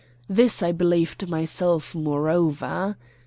This I believed myself, moreover.